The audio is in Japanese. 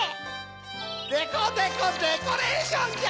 デコデコデコレーションじゃ！